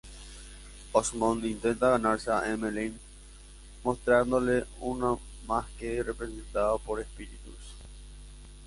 Osmond intenta ganarse a Emmeline mostrándole una masque representada por espíritus.